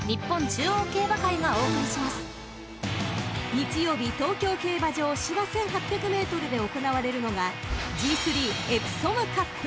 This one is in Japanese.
［日曜日東京競馬場芝１，８００ｍで行われるのがＧⅢエプソムカップ］